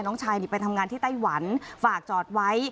น้องชายไปทำงานที่ไต้หวันฝากจอดไว้